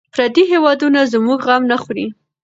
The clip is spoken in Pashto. پردي هېوادونه زموږ غم نه خوري.